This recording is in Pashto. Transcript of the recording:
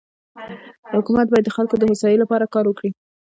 حکومت بايد د خلکو دهوسايي لپاره کار وکړي.